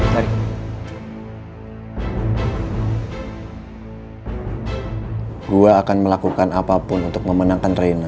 hai gua akan melakukan apapun untuk memenangkan rena